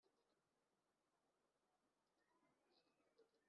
umuturage yirengagize ibyo yahize.